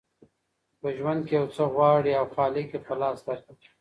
چي په ژوند کي یو څه غواړې او خالق یې په لاس درکي